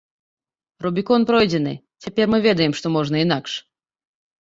Рубікон пройдзены, цяпер мы ведаем, што можна інакш.